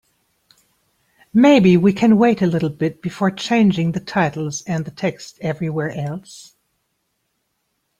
Maybe we can wait a little bit before changing the titles and the text everywhere else?